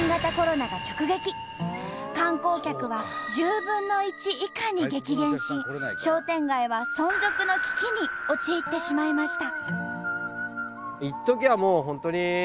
観光客は１０分の１以下に激減し商店街は存続の危機に陥ってしまいました。